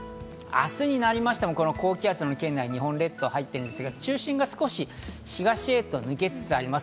明日になれましても、この高気圧の圏内に日本列島が入っていますが、中心が東へと抜けつつあります。